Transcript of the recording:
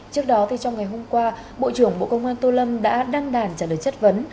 trước đó trong ngày hôm qua bộ trưởng bộ công an tô lâm đã đăng đàn trả lời chất vấn